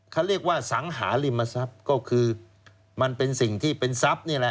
เขาเรียกว่าสังหาริมทรัพย์ก็คือมันเป็นสิ่งที่เป็นทรัพย์นี่แหละ